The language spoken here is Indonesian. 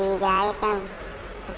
kemudian saya di klinik tuh